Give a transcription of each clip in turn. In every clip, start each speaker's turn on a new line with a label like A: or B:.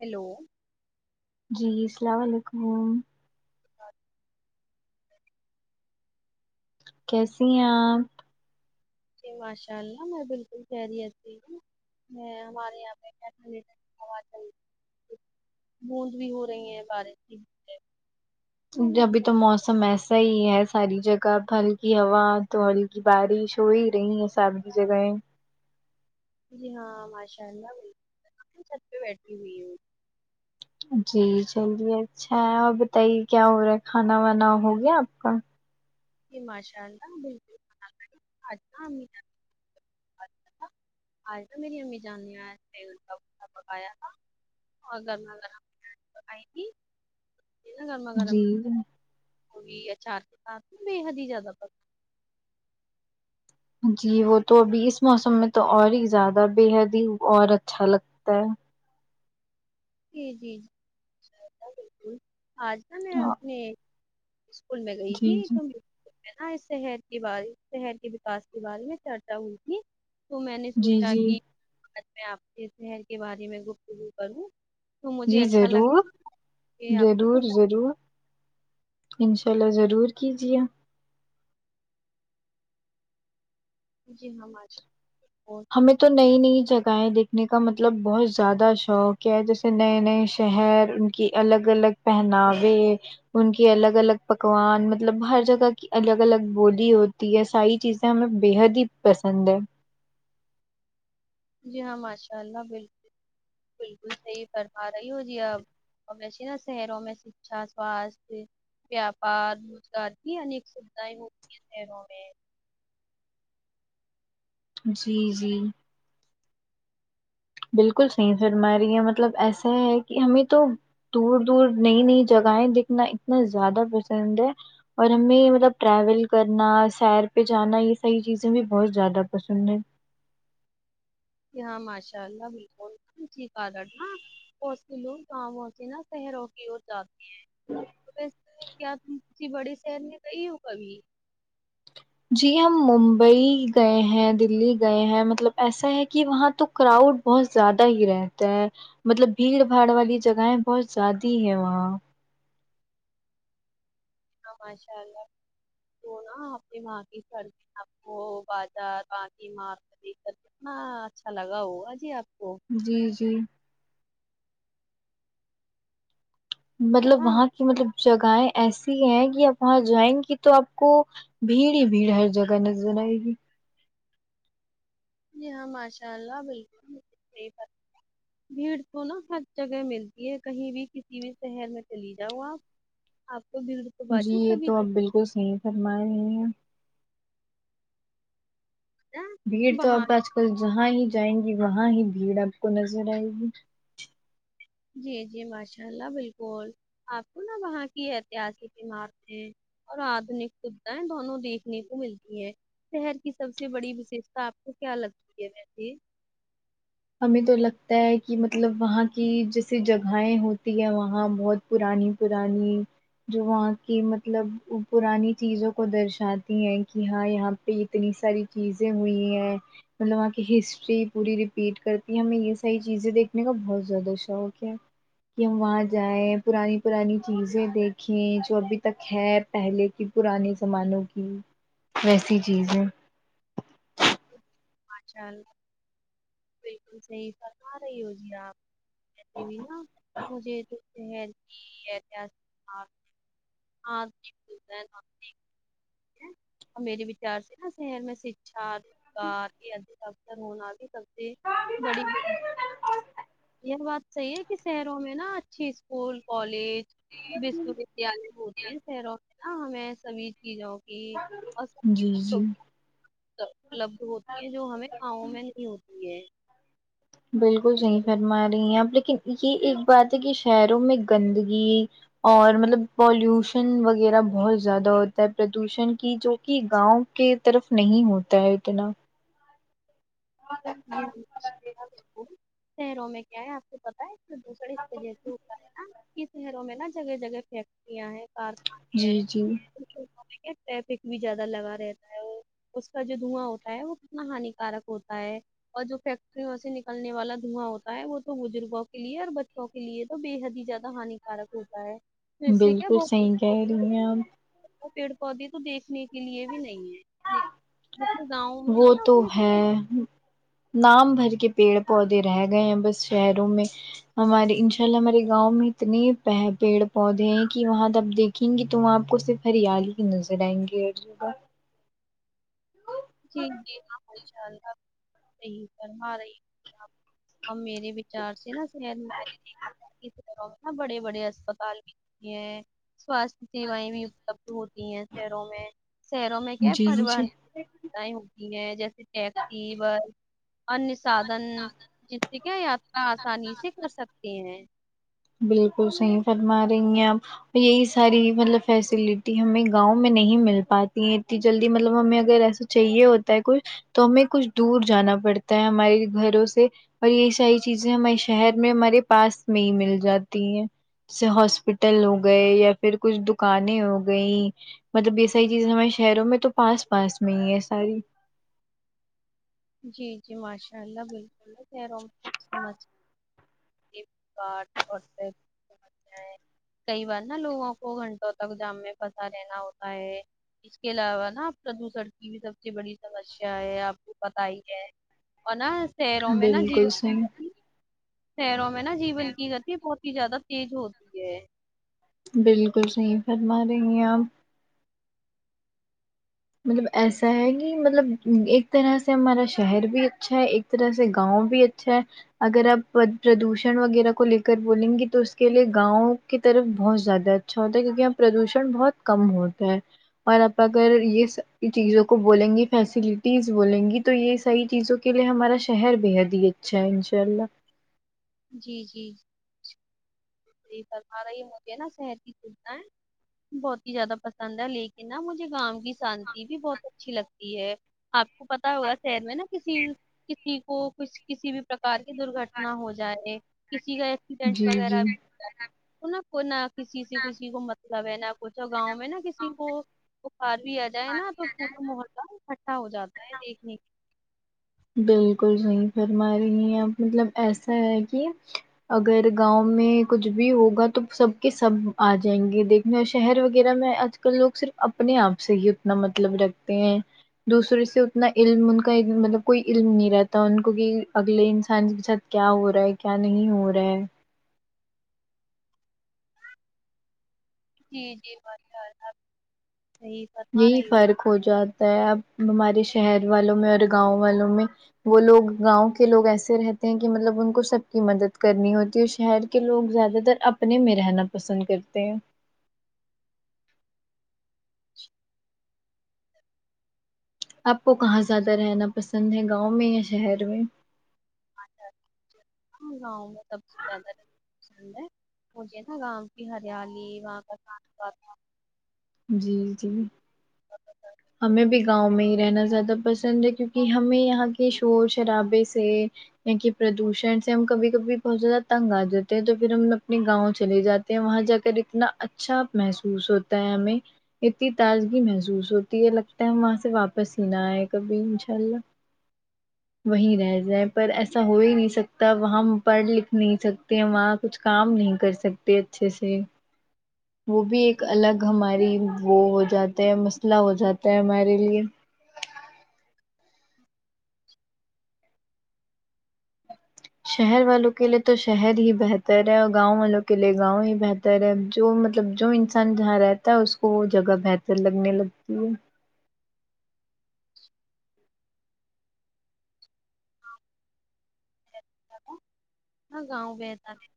A: Hello
B: جی السلام علیکم
A: [unintelligible]
B: کیسی ہیں آپ
A: جی ماشاء اللہ میں بالکل خیریت سے ہوں میں ہمارے یہاں پہ کیا [unintelligible] بوند بھی ہو رہی ہیں بارش کی
B: جببھی
A: محنت
B: تو موسم ایسا صحیح ہے ساری جگہ اب ہلکی ہوا تو ہلکی بارش ہو ہی رہی ہے سب کی جگہ
A: جی ہاں ماشاء اللہ [unintelligible] چت پہ بیٹھی ہوئی ہوں
B: جی چلیے اچھا اور بتائیے کیا ہو رہا ہے کھانا وانا ہو گیا آپ کا
A: ماشاء اللہ بالکل [unintelligible] اچھا اے تھے میری امی جان نے [unintelligible] پکایا تھا اور گرما گرم [unintelligible] آئی تھی ا گرما گرم
B: جی
A: مولی اچار کے ساتھ بے حد ہی زیادہ
B: گھی ہو تو ابھی اس موسم میں تو اور ہی زیادہ بے حد ہی اور اچھا لگتا ہے
A: جی جی جی آ ج نا میں
B: ہاں،
A: اپنے اسکول میں گئی تھی
B: جی جی
A: تو م ن اس شہر کے بارے شہر کے وکاس کے بارے میں چرچا ہوئی تھی تو میں نے
B: جی
A: سوچا
B: جی
A: کہ آج میں آپ کے شہر کے بارے میں گفتگو کروں تو مجھے
B: جی
A: اچھا
B: ضرور
A: لگے کہ آپ کو کچھ
B: ضرور ضرور انشاء اللہ ضرور کیجیے
A: جی ہم آج بھوت
B: ہمیں تو نئی نئی جگہیں دیکھنے کا مطلب بہت زیادہ شوق ہے جیسے نئے نئے شہر کہ الگ الگ پہناوے ان کی الگ الگ پکوان مطلب ہر جگہ کی الگ الگ بولی ہوتی تی ہے ساری چیزیں ہمیں بےحد ہی پسند ہے
A: جی ہاں ماشاء اللہ بالکل بالکل صحیح فرما رہی ہو جی آپ اور ویسیے نا شہروں میں شکچھا سواستھ ویاپار روزگار کی ہر اک سوھایں ہوتی ہے شہروں میں
B: جی جی بالکل صحیح پھر ہمارے یہ مطلب ایسا ہے کہ ہمیں تو دور دور نئی نئی جگہیں دیکھنا اتنا زیادہ پسند ہے اور ہمیں مطلب ٹریول کرنا سیر پہ جانا یہ سحیح چیزیں بھی بہت زیادہ پسند ہیں
A: ج ہاں ماشاء اللہ بالکل [unintelligible] بھوت سے لوگ گاؤں سے نا [unintelligible] توس کیا تم کسی بڑے شہر میں گئی ہو کبھی
B: جی ہم ممبئی گئے ہیں دلی گئے ہیں مطلب ایسا ہے کہ وہاں تو کراؤڈ بہت زیادہ ہی رہتا ہے مطلب بھیڑ بھاڑ والی جگہیں بہت زیادی ہے وہاں
A: ہاں ماشاء اللہ تو نا اپنی ماں کی سردی آپ کو بازار ماں کی مرکی کر ہاں اچھا لگا وہ اجی آپ کو
B: جی جی
A: ہے
B: مطلب
A: نا
B: وہاں کی مطلب جگہیں ایسی ہیں کہ آپ وہاں جائیں گی تو آپ کو بھیڑ ہی بھیڑ ہر جگہ نظر نہ آئے گی
A: جی ہاں ماشاء اللہ بالکل بلکل صحی فرمایا اپ نے بھیڑ تو نا ہر جگہ ملتی ہے کہیں بھی کسی بھی شہر میں چلی جاؤ آپ آپ کو بالکل
B: جی یہ تو اپ بالکل صحیح فرما رہے ہیں
A: ہے۔
B: بھیڑ تو
A: وہاں
B: آپ آج کل جہاں ہی جائیں گی وہاں ہی بھیڑ آپ کو نظر آئے گی
A: جی جی ماشاء اللہ بالکل آپ کو نا وہاں کی اتہاسک عمارتیں اور آدنک سدھایں دونوں دیکھنے کو ملتی ہیں شہر کی سب سے بڑی مصیبت آپ کو کیا لگتی ہے ویسیے
B: ہمیں تو لگتا ہے کہ مطلب وہاں کی جیسسی جگہیں ہوتی ہیں وہاں بہت پرانی پرانی جو وہاں کی مطلب پرانی چیزوں کو درشاتی ہیں کہ ہاں یہاں پہ اتنی ساری چیزیں ہوئی ہیں مطلب وہاں کی ہسٹری پوری پیٹ کرتی ہے ہمیں یہ ساری چیزیں دیکھنے کا بہت زیادہ شوق ہے کہ ہم وہاں جائیں پرانی پرانی چیزیں دیکھیں جو ابھی تک ہے پہلے کی پرانے زمانوں کی ویسی چیزیں
A: ماشاءاللہ بالکل صحیح فرما رہی ہو جی آپ م ن مجھے اتنی ہیلپ کی کے آپ نے ہاں س اور میرے وچار سے نا شر میں شکچھا کار یہ اجھی تک ت ر آگ سبتے بڑی یہ بات صحیح ہے کہ شہروں میں نا اچھی اسکول کالجس یالے ہوتے ہیں سروں ہاںیں سبھی کی جاؤ کی
B: جی
A: اور
B: جی
A: اپلبھ ہوتی ہیں جو ہمیں گاؤوں میں نہیں ہوتی ہے
B: بالکل صحیح فرما رہی ہیں آپ لیکن یہ ایک بات ہے کہ شہروں میں گندگی اور مطلب پالوشن وغیرہ بہت زیادہ ہوتا ہے پردوشن کی جو کہ گاؤں کی طرف نہیں ہوتا ہے اتنا
A: جی جی شہروں میں کیا ہے آپ کو پتا ہے دوسرے جیسے ہوتا ہے نا شہروں میں نا جگہ جگہ فیکٹریاں ہیں کارخانے
B: جی جی
A: ہیںچ کیا ٹریفک بھی زیادہ لگا رہتا ہے اور اس کا جو دھواں ہوتا ہے وہ کتنا ہانیکارک ہوتا ہے اور جو فیکٹریوں سے نکلنے والا دھواں ہوتا ہے وہ تو بزرگوں کے لیے اور بچوں ک لیے تو بے حد ہی زیادہ ہانیکارک ہوتا ہے تو اس سے کیا
B: بالکل
A: بہت
B: صحیح کہہ رہی ہیں آپ
A: پیڑ پودے تو دیکھنے کے لیے بھی نہیں ہے جیسے گاؤں میں
B: وہ
A: ہیں
B: تو
A: اپنے
B: ہے نام بھر کے پیڑ پودے رہ گئے ہیں بس شہروں میں ہمارے ان شاء اللہ ہمارے گاؤں میں اتنے پیہ پیڑ پودے ہیں کہ وہاں تب دیکھ دیکھیں گی تو وہاں آپ کو صرف ہریالی ہی نظر آئیں گے جگہ
A: جی جی ہاں ماشاء اللہ صحیح فرما رہی آپ ہم میرے وچار سے نا [unintelligible] سیوائیں بھی سب ہوتی ہیں شہروں میں شہروں میں کیا
B: جی
A: پروان
B: جی
A: آیں ہوتی ہیں جیسے ٹیکسی بس ان سادن جس سے کیا یاترا آسانی سے کر سکتے ہیں
B: بالکل صحیح فرما رہیں ہیں آپ یہی ساری مطلب فیسلٹی ہمیں گاؤں میں نہیں مل پاتی ہے اتنی جلدی مطلب ہمیں اگر ایسے چاہیے ہوتا ہے کچھ تو ہمیں کچھ دور جانا پڑتا ہے ہمارے گھروں سے اور یہ ساری چیزیں ہمارے شہر میں ہمارے پاس میں ہی مل جاتی ہیں جیسے ہاسپٹل ہو گئے یا پھر کچھ دکانیں ہو گئ مطلب یے ساری چیزیں ہمارے شہروں میں تو پاس پاس میں ہی ہے ساری
A: جی جی ماشاء اللہ بالکل شہروں میں کچھ سمجھ [unintelligible] کئی بار نا لوگوں کو گھنٹوں تک جام میں پھنسا رہنا ہوتا ہے اس کے علاوہ نا پردوشن کی بھی سب سے بڑی سمسیا ہے آپ کو بتائی ہے اور نا شہروں میں نا جیون
B: بالکل
A: کی
B: صحیح
A: گتی شہروں میں نا جیون کی گتی بہت ہی زیادہ تیز ہوتی ہے
B: بالکل صحیح فرما رہی ہیں آپ مطلب ایسا ہے کی مطلب ایک طرح سے ہمارا شہر بھی اچھا ہے ایک طرح سے گاؤں بھی اچھا ہے اگر آپ پردوشن وغیرہ کو لے کر بولیں گی تو اس کے لیے گاؤں کی طرف بہت زیادہ اچھا ہوتا ہے کیونکہ یہاں پردوشن بہت کم ہوتا ہے اور آپ اگر یے س ساری چیزوں کو بولیں گی فیسلیٹیز بولیں گی تو یے صحیح چیزوں کے لیے ہمارا شہر بے حد ہی اچھا ہے انشاء اللہ
A: جی جی جی صحیح فرما رہی ہوں گے نا شہر کی سودھائیں بہت ہی زیادہ پسند ہے لیکن نا مجھے گاؤں کی شانتی بھی بہت اچھی لگتی ہے آپ کو پتہ ہوگا شہر میں نا کسی کی کسی کو کچھ کچھ بھی پرکار کی درگھٹنا ہو جائے کسی کا ایکسیڈینٹ
B: جی
A: وغیرہ
B: جی
A: بھی تو نہ کو نہ کسی سے کسی کو مطلب ہے نہ کچھ گاؤں میں نہ کسی کو بخار بھی آ جائے نا تو پورا محلہ اکھٹا ہو جاتا ہے دیکھنے کے
B: بالکل صحیح فرما رہی ہیں آپ مطلب ایسا ہے کی اگر گاؤں میں کچھ بھی ہوگا تو سب کے سب آ جائیں گے دیکھنے اور شہر وغیرہ میں آج کل لوگ صرف اپنے آپ سے ہی اتنا مطلب رکھتے ہیں دوسرے سے اتنا علم ان کا مطلب کوئی علم نہیں رہتا ان کو کی اگلے انسان کے ساتھ کیا ہو رہا ہے کیا نہیں ہو رہا ہے
A: جی جی ماشاءاللہ صحیح فرما
B: یہی
A: رہی
B: فرق ہو جاتا ہے اب ہمارے شہر والوں میں اور گاؤں والوں میں وہ لوگ گاؤں کے لوگ ایسے رہتے ہیں کی مطلب ان کو سب کی مدد کرنی ہوتی ہے اور شہر کہ لوگ زیادہ تر اپنے میں رہنا پسند کرتے ہیں آپ کو کہاں زیادہ رہنا پسند ہے گاؤں میں یا شہر میں
A: گاؤں میں سب سے زیادہ رہنا [unintelligible] پسند ہے مجھے نا گاؤں کی ہریالی وہاں کا [unintelligible]
B: جی جی
A: [unintelligible]
B: ہمیں بھی گاؤں میں ہی رہنا زیادہ پسند ہے کیونکہ ہمیں یہاں کے شور شرابے سے یہاں کہ پردوشن سے ہم کبھی کبھی بہت زیادہ تنگ آ جاتے ہیں تو پھر ہم اپنے گاؤں چلے جاتے وہاں جا کر اتنا اچھا محسوس ہوتا ہے ہمیں اتنی تازگی محسوس ہو تی ہے لگتا ہے وہاں سے واپس ہی نا آئے کبھی انشاء اللہ وہیں رہ جائ پر ایسا ہو ہی نہیں سکتا وہاں ہم پڑھ لکھ نہیں سکتے ہیں وہاں کچھ کام نہیں کر سکتے اچھے سے وہ بھی ایک الگ ہماری وہ ہو جاتا ہے مثلا ہو جاتا ہے ہمارے لیے شہر والوں کے لیے تو شہر ہی بہتر ہے اور گاؤں والوں کے لیے گاؤں ہی بہتر طر ہے جو مطلب جو انسان جہاں رہتا ہے اس کو وہ جگہ بہتر لگنے لگتی ہے
A: [inaudible] ہاں گاؤں بہتر ہے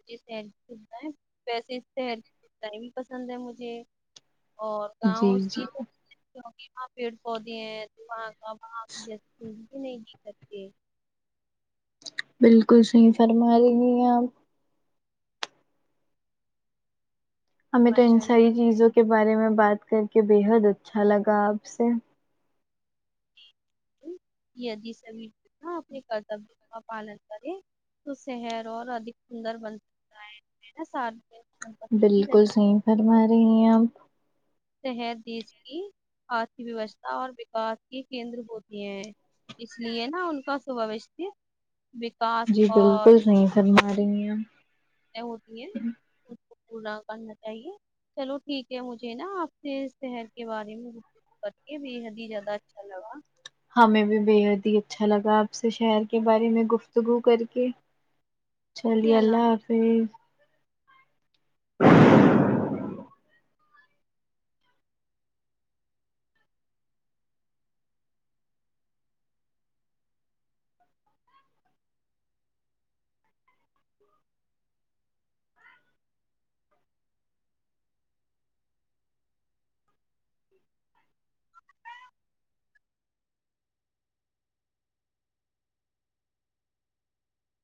A: [unintelligible] اور
B: جی
A: گاؤں اس
B: جی
A: کی [unintelligible] کیونکی وہاں پیڑ پودے ہیں تو وہاں اب آپ [unintelligible] بھی نہیں جی سکتے
B: بالکل صحیح فرما رہی ہیں آپ ہمیں تو ان
A: ماشاء اللہ
B: ساری چیزوں کے بارے میں بات کر کے بےحد اچھا لگا آپ سے
A: یدی سب لوگ اپنے کرتب کا پالن کرے تو شہر اور ادھک سندر بن سکتا ہے نا سار
B: بالکل صحیح فرما رہی ہیں آپ
A: تحت دیش کی آرھ ویوستھا اور وکاس کے کیندر ہوتی ہیں اس لیے نا ان کا سبش وکاس اور
B: ترماری [unintelligible]
A: ہوتی ہیں کو پورا کرنا چاہیے چلو ٹھیک ہے مجھے نا آپ سے شہر کے بارے میں پر کے بےحد ہی زیادہ اچھا لگا
B: ہمیں بھی بے حد ہی اچھا لگا آپ سے شہر کے بارے میں گفتگو کر کے چلیے اللہ حافظ